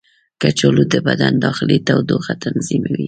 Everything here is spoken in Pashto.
کچالو د بدن داخلي تودوخه تنظیموي.